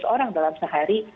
seratus orang dalam sehari